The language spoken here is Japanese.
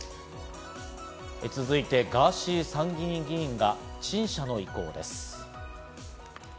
続いてガーシー参議院議員が陳謝の意向です。